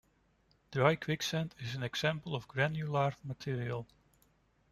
Dry quicksand is an example of a granular material.